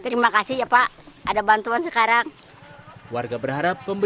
nah kalau sekarang ada bantuan gimana perasaannya bu